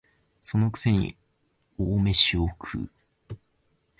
その癖に大飯を食う